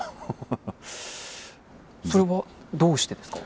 それはどうしてですか？